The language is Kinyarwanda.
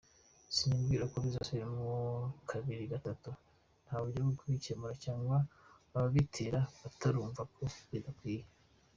Sinibwira ko bizasubiramo kabiri gatatu, nta buryo bwo kugikemura cyangwa ababitera batarumva ko bidakwiye.